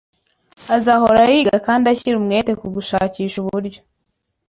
Azahora yiga kandi ashyire umwete ku gushakisha uburyo